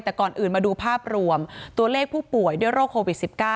แต่ก่อนอื่นมาดูภาพรวมตัวเลขผู้ป่วยด้วยโรคโควิด๑๙